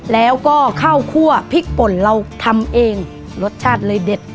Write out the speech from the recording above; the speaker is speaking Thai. แล้วก็ข้าวคั่วพริกป่นเราทำเองรสชาติเลยเด็ด